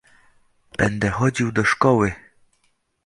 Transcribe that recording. "Będę chodził do szkoły."